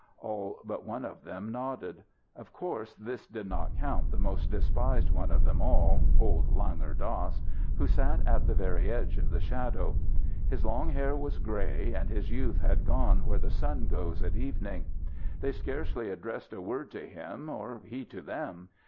All but one of them nodded. Of course this did not count the most despised one of them all old Langur Dass who sat at the very edge of the shadow. His long hair was grey, and his youth had gone where the sun goes at evening. They scarcely addressed a word to him, or he to them.